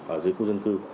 ở dưới khu dân cư